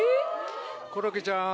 コロッケちゃん